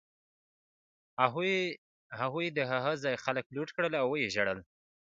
هغوی د هغه ځای خلک لوټ کړل او و یې وژل